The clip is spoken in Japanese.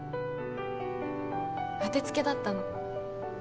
当て付けだったの。